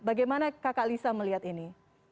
bagaimana kak kalisa melihat ini